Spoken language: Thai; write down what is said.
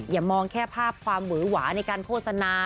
อย่ามองแค่ภาพความหวือหวาในการโฆษณา